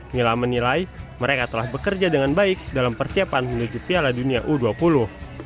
mila menilai mereka telah bekerja dengan baik dalam persiapan menuju piala dunia u dua puluh